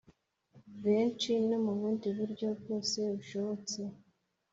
benshi no mu bundi buryo bwose bushobotse